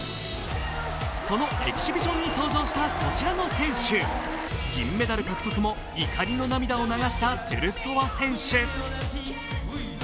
そのエキシビションに登場したこちらの選手、銀メダル獲得も怒りの涙を流したトゥルソワ選手。